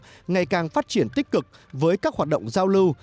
hàn quốc ngày càng phát triển tích cực với các hoạt động giao lưu